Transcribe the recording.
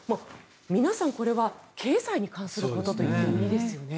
皆さん、これは経済に関することといってもいいですよね。